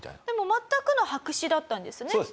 でも全くの白紙だったんですね。